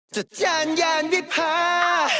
จัดจานยานวิพา